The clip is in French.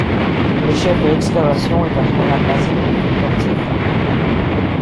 Le chef de l'excavation est un général nazi nommé Victor Zetta.